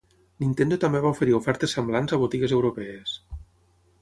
Nintendo també va oferir ofertes semblants a botigues europees.